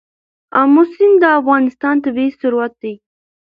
آمو سیند د افغانستان طبعي ثروت دی.